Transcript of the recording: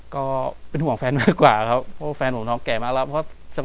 กลับมาที่สุดท้ายและกลับมาที่สุดท้าย